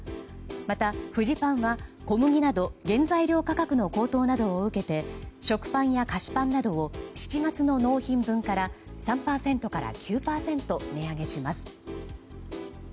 またフジパンは小麦など原材料価格の高騰などを受けて食パンや菓子パンなどを７月の納品分から３％から９％値上げします。